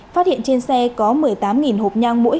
phát hiện trên xe có một mươi tám hộp nhang mỗi